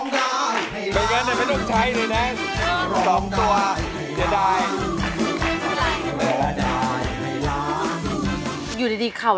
สวัสดีครับ